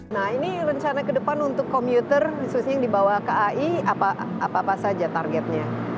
nah ini rencana ke depan untuk komuter khususnya yang dibawa kai apa apa saja targetnya